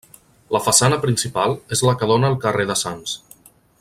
La façana principal és la que dóna al carrer de Sants.